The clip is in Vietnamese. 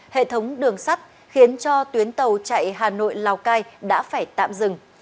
hệ thống đường sắt khiến cho tuyến tàu chạy hà nội lào cai đã phải tạm dừng